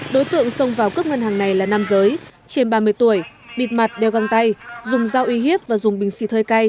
đối tượng xông vào cướp ngân hàng này là nam giới trên ba mươi tuổi bịt mặt đeo găng tay dùng dao uy hiếp và dùng bình xịt hơi cay